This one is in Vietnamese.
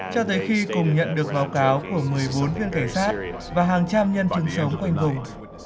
cho tới khi cùng nhận được báo cáo của một mươi bốn viên cảnh sát và hàng trăm nhân chứng sống quanh vùng